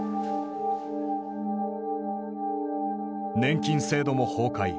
年金制度も崩壊。